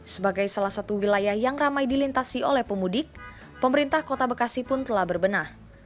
sebagai salah satu wilayah yang ramai dilintasi oleh pemudik pemerintah kota bekasi pun telah berbenah